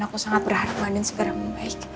aku sangat berharap mbak anin segera membaik